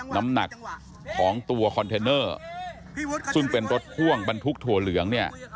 น้ำหนักของตัวคอนเทนเนอร์ซึ่งเป็นรถพ่วงบรรทุกถั่วเหลืองเนี่ย